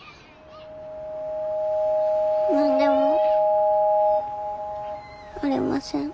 何でもありません。